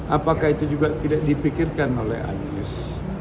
apakah itu juga tidak dipikirkan oleh anies